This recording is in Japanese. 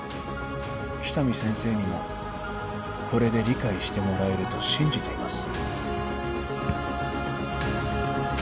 喜多見先生にもこれで理解してもらえると信じています